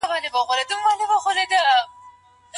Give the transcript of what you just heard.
د آخرت پر ورځ ايمان لرل څه غوښتنه کوي؟